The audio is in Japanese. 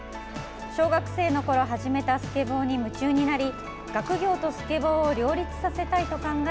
小学生のころ始めたスケボーに夢中になり学業とスケボーを両立させたいと考え